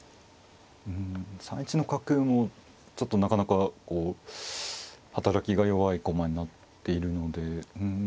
うん３一の角もちょっとなかなかこう働きが弱い駒になっているのでうん